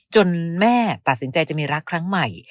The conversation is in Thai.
จนแม่ตัดสินใจจะมีรักแม่